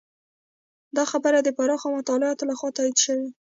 دا خبره د پراخو مطالعاتو لخوا تایید شوې.